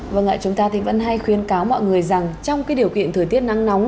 vâng ạ chúng ta thì vẫn hay khuyến cáo mọi người rằng trong cái điều kiện thời tiết nắng nóng